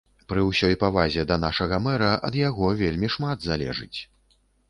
Пры ўсёй павазе да нашага мэра, ад яго вельмі шмат залежыць.